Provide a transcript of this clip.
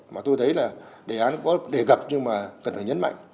mà tôi thấy là đề án có đề cập nhưng mà cần phải nhấn mạnh